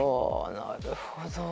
なるほど。